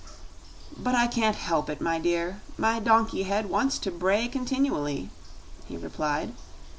"But I can't help it, my dear; my donkey head wants to bray continually," he replied.